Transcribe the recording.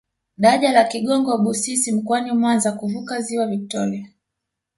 Daraja la Kigongo Busisi mkoani mwanza kuvuka ziwa viktoria